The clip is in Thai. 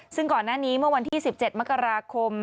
ซึ่งก่อนหน้านี้เมื่อวันที่๑๗มกราคม